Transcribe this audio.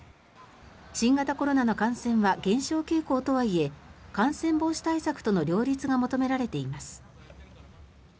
新型コロナの感染は減少傾向とはいえ感染防止対策との両立が求められています。